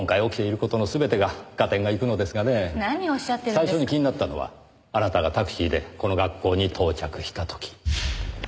最初に気になったのはあなたがタクシーでこの学校に到着した時。